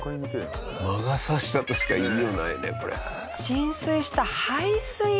魔が差したとしか言いようないねこれ。